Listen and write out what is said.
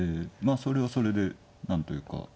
それはそれで何というか。